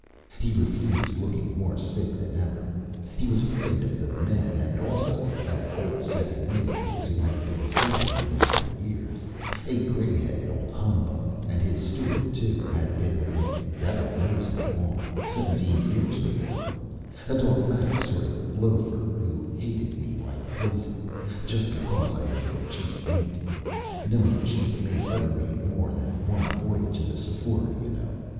He refused, looking more sick than ever. He was afraid of the men, and also of that old second mate of his who had been sailing with him for years a gray headed old humbug; and his steward, too, had been with him devil knows how long seventeen years or more a dogmatic sort of loafer who hated me like poison, just because I was the chief mate. No chief mate ever made more than one voyage in the Sephora, you know.